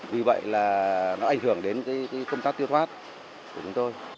vì vậy là nó ảnh hưởng đến công tác tiêu thoát